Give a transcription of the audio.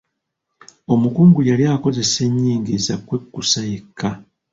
Omukungu yali akozesa enyingiza kwe kkusa yekka.